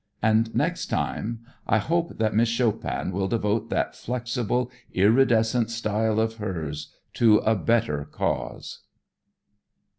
And next time I hope that Miss Chopin will devote that flexible, iridescent style of hers to a better cause.